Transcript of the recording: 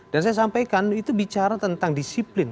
dan saya sampaikan itu bicara tentang disiplin